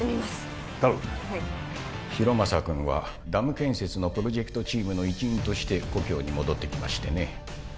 はい浩正くんはダム建設のプロジェクトチームの一員として故郷に戻ってきましてね